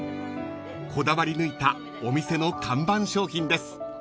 ［こだわり抜いたお店の看板商品です］